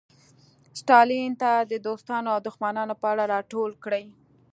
ستالین ته د دوستانو او دښمنانو په اړه راټول کړي.